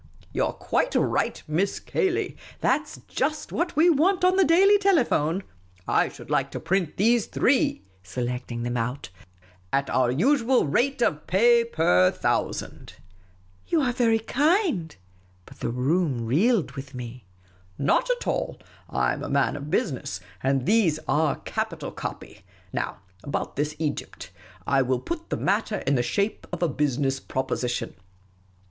You 're quite right, Miss The Unobtrusive Oasis iSi Cayley. That 's just what we want on the Daily Tehphone. I should like to print these three," selecting them out, " at our usual rate of pay per thousand." HE READ THKM, CRUEL MAN, BEFORE MY VERY EYES. " You are very kind." But the room reeled with me. " Not at all. I am a man of business. And these are good copy. Now, about this Egypt. I will put the matter in the shape of a business proposition.